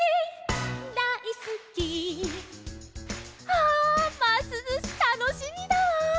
ああますずしたのしみだわ。